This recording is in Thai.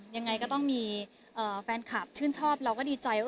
ยังไงก็ต้องมีแฟนคลับชื่นชอบเราก็ดีใจว่า